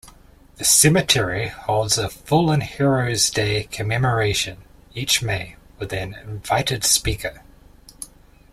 The cemetery holds a "Fallen Heroes Day" commemoration each May with an invited speaker.